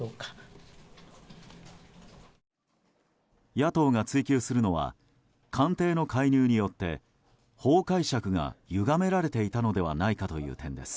野党が追及するのは官邸の介入によって法解釈がゆがめられていたのではないかという点です。